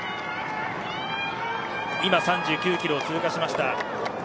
今３９キロを通過しました。